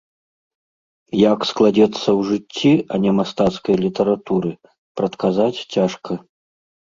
Як складзецца ў жыцці, а не мастацкай літаратуры, прадказаць цяжка.